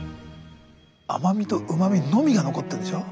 甘みとうまみのみが残ってるんでしょ？